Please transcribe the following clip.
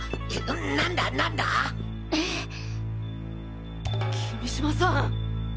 なんだなんだ？君島さん！